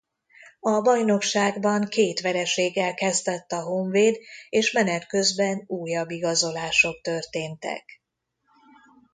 A bajnokságban két vereséggel kezdett a Honvéd és menet közben újabb igazolások történtek.